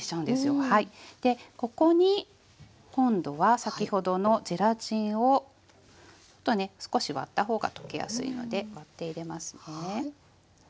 でここに今度は先ほどのゼラチンをちょっとね少し割った方が溶けやすいので割って入れますね。